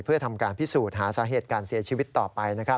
เพื่อทำการพิสูจน์หาสาเหตุการเสียชีวิตต่อไป